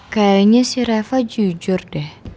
kayaknya sih reva jujur deh